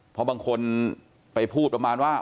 เพราะบางคนไปพูดประมาณว่า